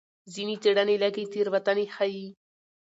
ځینې څېړنې لږې تېروتنې ښيي.